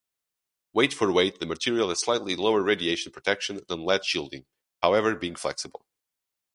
Weight-for-weight the material has slightly lower radiation protection than lead shielding, however being flexible.